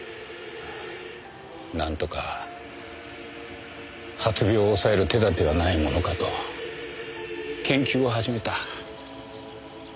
なんとか発病を抑える手立てはないものかと研究を始めた。